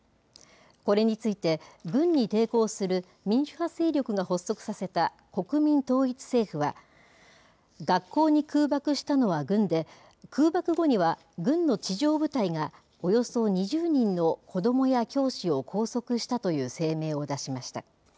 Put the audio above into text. これについて、軍に抵抗する民主派勢力が発足させた国民統一政府は、学校に空爆したのは軍で、空爆後には軍の地上部隊がおよそ２０人の子どもや教師を拘束したという声明を出しました。